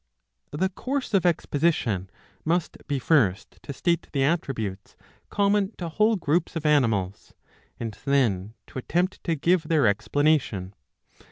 The course of exposition must be first to state the attributes common to whole groups of animals, and then to attempt to give their explanation.